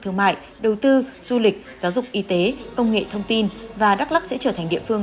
thương mại đầu tư du lịch giáo dục y tế công nghệ thông tin và đắk lắc sẽ trở thành địa phương